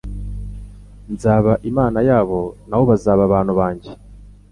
Nzaba Imana yabo, nabo bazaba abantu banjye."